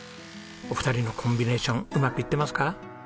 お二人のコンビネーションうまくいってますか？